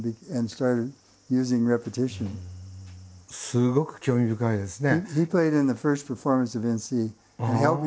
すごく興味深いですね。